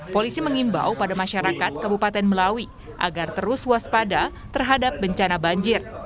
polisi mengimbau pada masyarakat kabupaten melawi agar terus waspada terhadap bencana banjir